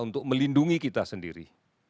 untuk melindungi kita sendiri